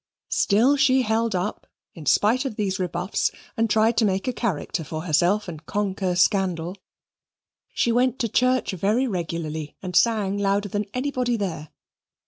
Still she held up, in spite of these rebuffs, and tried to make a character for herself and conquer scandal. She went to church very regularly and sang louder than anybody there.